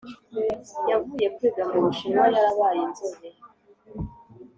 yavuye kwiga mu bushinwa yarabaye inzobe